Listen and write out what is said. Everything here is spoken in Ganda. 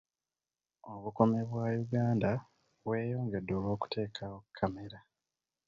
Obukuumi bwa Uganda bweyongedde olw'okuteekawo kkamera.